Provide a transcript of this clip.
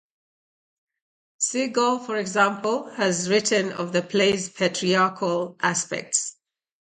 Segal, for example, has written of the play's patriarchal aspects.